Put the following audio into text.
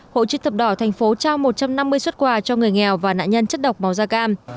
hội chức thập đỏ thành phố trao một trăm năm mươi xuất quà cho người nghèo và nạn nhân chất độc màu da cam